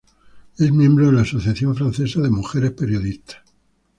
Es miembro de la Asociación Francesa de Mujeres Periodistas.